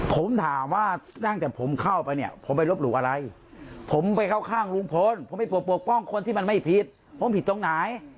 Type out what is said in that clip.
ผมถามว่าตั้งแต่ผมเข้าไปเนี่ยผมไปลบหลู่อะไรผมไปเข้าข้างลุงพลผมไปปกป้องคนที่มันไม่ผิดผมผิดตรงไหน